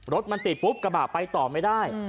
รถมันติดปุ๊บกระบะไปต่อไม่ได้